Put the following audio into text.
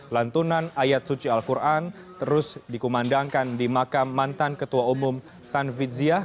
lantunan ayat suci al quran terus dikumandangkan di makam mantan ketua umum tan vidziah